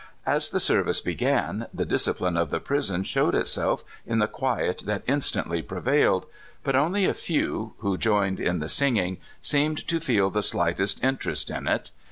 As the service began, the discipline of the prison showed itself in the quiet that instantly prevailed ; but only a few, who joined in the singing, seemed to feel the slightest interest in it.